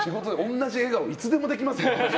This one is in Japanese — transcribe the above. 同じ笑顔、いつでもできますよ。